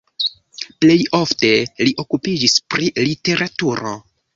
Plej ofte li okupiĝis pri literaturo.